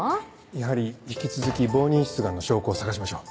やはり引き続き冒認出願の証拠を探しましょう。